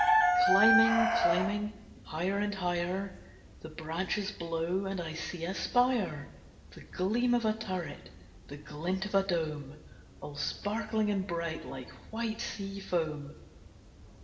Climbing, climbing, higher and higher, The branches blow and I see a spire, The gleam of a turret, the glint of a dome, All sparkling and bright, like white sea foam.